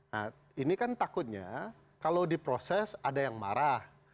nah ini kan takutnya kalau diproses ada yang marah